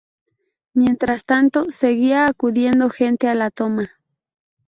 Mientras tanto, seguía acudiendo gente a La Toma.